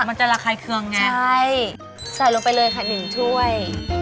มันจะระคายเคืองไงใช่ใส่ลงไปเลยค่ะหนึ่งถ้วย